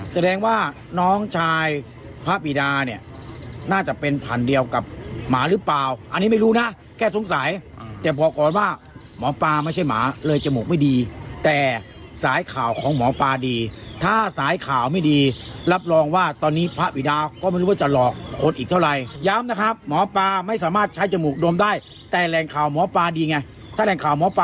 แสดงว่าน้องชายพระอุตสาหรับพระอุตสาหรับพระอุตสาหรับพระอุตสาหรับพระอุตสาหรับพระอุตสาหรับพระอุตสาหรับพระอุตสาหรับพระอุตสาหรับพระอุตสาหรับพระอุตสาหรับพระอุตสาหรับพระอุตสาหรับพระอุตสาหรับพระอุตสาหรับพระอุตสาหรับพระอุตสาหรับพระอุตสาหรับพระอุตสาหรับพระอ